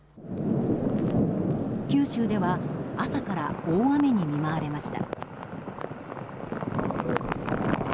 九州では朝から大雨に見舞われました。